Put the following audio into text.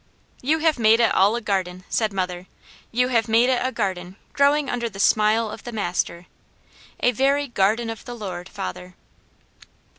"You have made it all a garden," said mother. "You have made it a garden growing under the smile of the Master; a very garden of the Lord, father."